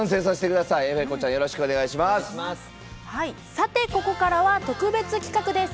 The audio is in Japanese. さてここからは特別企画です。